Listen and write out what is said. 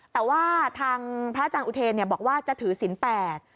แต่ว่าทางพระอาจารย์อุเทรบอกว่าจะถือศีลแปด